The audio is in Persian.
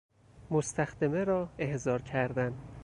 مستخدمه را احضار کردن